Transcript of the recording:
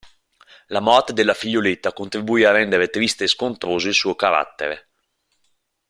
La morte della figlioletta contribuì a rendere triste e scontroso il suo carattere.